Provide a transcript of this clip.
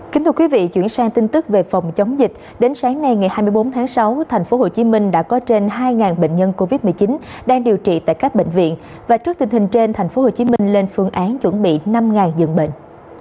kính thưa quý vị chuyển sang tin tức về phòng chống dịch đến sáng nay ngày hai mươi bốn tháng sáu tp hcm đã có trên hai bệnh nhân covid một mươi chín đang điều trị tại các bệnh viện và trước tình hình trên tp hcm lên phương án chuẩn bị năm ngày dường bệnh